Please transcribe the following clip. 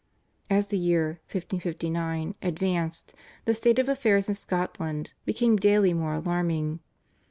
As the year (1559) advanced the state of affairs in Scotland became daily more alarming.